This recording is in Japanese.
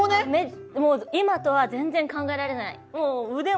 今とは全然考えられない。